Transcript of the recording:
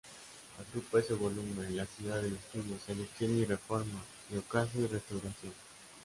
Agrupa ese volumen "La ciudad del estudio", "Selección y reforma" y "Ocaso y restauración".